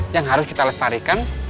yang harus kita lestarikan